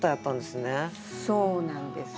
そうなんです。